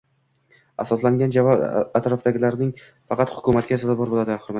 – asoslangan javob atrofdagilarning faqat hurmatiga sazovor bo‘ladi.